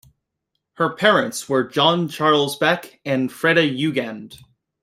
Her parents were John Charles Beck and Freda Yugend.